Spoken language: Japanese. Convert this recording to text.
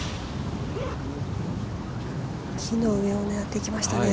木の上を狙ってきましたね。